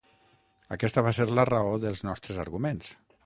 Aquesta va ser la raó dels nostres arguments.